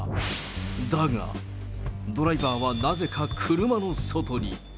だが、ドライバーはなぜか車の外に。